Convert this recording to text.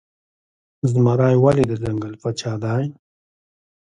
زمری ولې د ځنګل پاچا دی؟